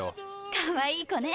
かわいい子ね。